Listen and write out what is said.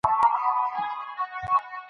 د کاپیسا مرکزي ښار محمودراقي دی.